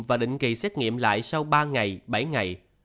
và định kỳ xét nghiệm lại sau ba ngày bảy ngày